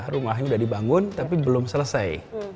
rumahnya sudah dibangun tapi belum selesai